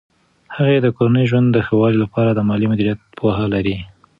هغې د کورني ژوند د ښه والي لپاره د مالي مدیریت پوهه لري.